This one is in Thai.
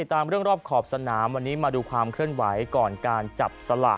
ตามเรื่องรอบขอบสนามวันนี้มาดูความเคลื่อนไหวก่อนการจับสลาก